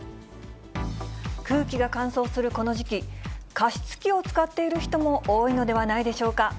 空気が乾燥するこの時期、加湿器を使っている人も多いのではないでしょうか。